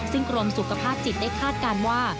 ซึ่งกรมสุขภาพจิตได้คาดการณ์ว่า